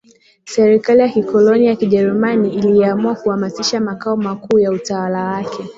Serikali ya kikoloni ya Kijerumani iliamua kuhamisha makao makuu ya utawala wake